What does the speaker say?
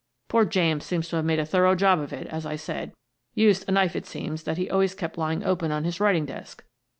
Poor James seems to have made a thorough job of it, as I said — used a knife, it seems, that he always kept lying open on his writing desk.